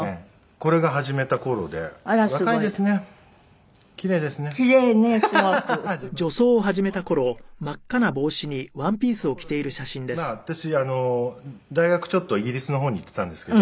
この頃にまあ私大学ちょっとイギリスの方に行っていたんですけど。